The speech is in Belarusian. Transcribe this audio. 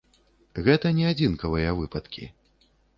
Гэта не адзінкавыя выпадкі.